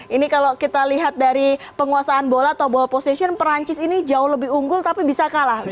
ini kalau kita lihat dari penguasaan bola atau ball position perancis ini jauh lebih unggul tapi bisa kalah